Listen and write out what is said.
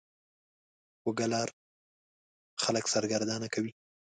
کوږه لار خلک سرګردانه کوي